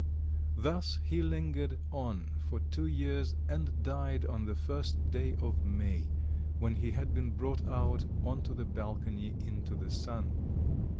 Thus he lingered on for two years and died on the first day of May, when he had been brought out on to the balcony into the sun.